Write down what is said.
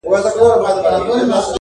• څښتن مي لا هم نه پېژنم -